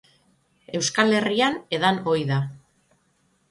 Euskal Herrian edan ohi da.